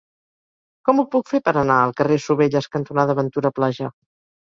Com ho puc fer per anar al carrer Sovelles cantonada Ventura Plaja?